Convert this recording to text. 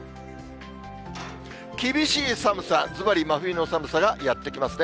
厳しい寒さ、ずばり、真冬の寒さがやって来ますね。